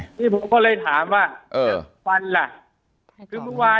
เนี่ยที่ครูก็เลยถามว่าฟันล่ะ